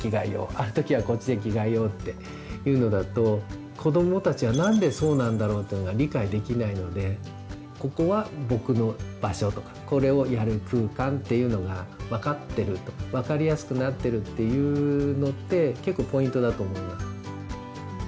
「ある時はこっちで着替えよう」っていうのだと子どもたちは「なんでそうなんだろう？」っていうのが理解できないので「ここは僕の場所」とか「これをやる空間」っていうのが分かってると分かりやすくなってるっていうのって結構ポイントだと思います。